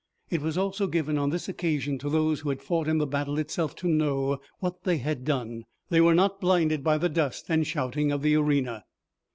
It was also given on this occasion to those who had fought in the battle itself to know what they had done. They were not blinded by the dust and shouting of the arena.